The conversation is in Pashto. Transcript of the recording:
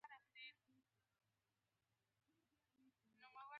زموږ د ټولو ملګرو اوږې وتخنېدې.